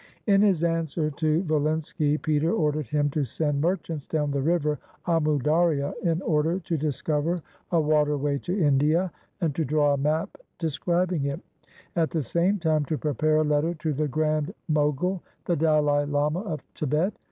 In his answer to Volinsky, Peter ordered him to send merchants down the river Amu Dariain order to discover a waterway to India, and to draw a map describing it: at the same time to prepare a letter to the Grand Mo gul — the Dalai Lama of Tibet.